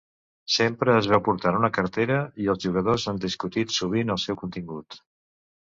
Sempre es veu portant una cartera, i els jugadors han discutit sovint el seu contingut.